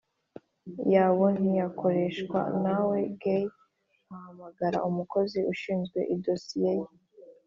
yabo ntiyakora Naw Gay ahamagara umukozi ushinzwe idosiye ye